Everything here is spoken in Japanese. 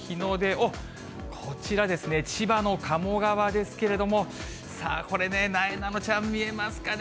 おっ、こちら、千葉の鴨川ですけれども、これね、なえなのちゃん、見えますかね。